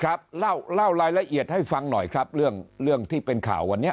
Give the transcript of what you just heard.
ครับเล่าเล่ารายละเอียดให้ฟังหน่อยครับเรื่องเรื่องที่เป็นข่าววันนี้